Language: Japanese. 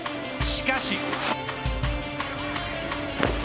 しかし。